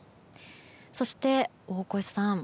そして、大越さん